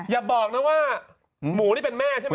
อย่าบอกนะว่าหมูนี่เป็นแม่ใช่ไหม